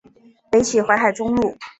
北起淮海中路。